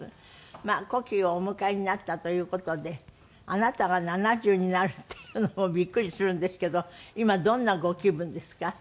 まあ古希をお迎えになったという事であなたが７０になるっていうのもビックリするんですけど今どんなご気分ですか？